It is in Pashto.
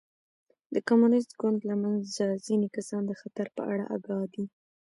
د کمونېست ګوند له منځه ځیني کسان د خطر په اړه اګاه دي.